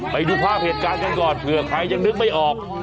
ไปดูภาพเหตุการณ์กันก่อนเผื่อใครยังนึกไม่ออก